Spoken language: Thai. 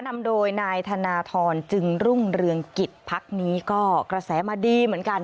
นำโดยนายธนทรจึงรุ่งเรืองกิจพักนี้ก็กระแสมาดีเหมือนกัน